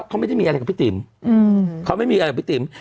เขาไม่ได้มีอะไรกับพี่ติ่ม